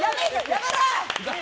やめろ！